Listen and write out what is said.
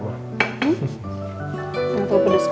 enak atau pedes pak